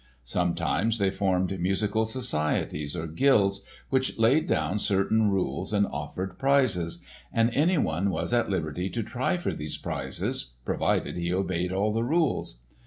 Sometimes they formed musical societies, or guilds, which laid down certain rules and offered prizes; and anyone was at liberty to try for these prizes, provided he obeyed all the rules.